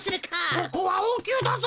ここはおうきゅうだぞ！